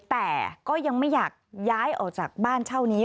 แต่ก็ยังไม่อยากย้ายออกจากบ้านเช่านี้